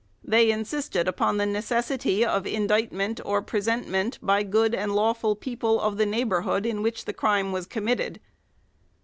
They insisted upon the necessity of indictment or presentment by good and lawful people of the neighbourhood in which the crime was committed.